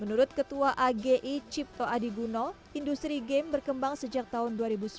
menurut ketua agi cipto adiguno industri game berkembang sejak tahun dua ribu sepuluh